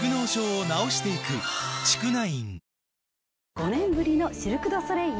５年ぶりのシルク・ドゥ・ソレイユ。